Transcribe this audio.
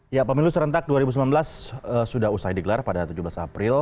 ya pemilu serentak dua ribu sembilan belas sudah usai digelar pada tujuh belas april